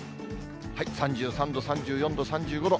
３３度、３４度、３５度。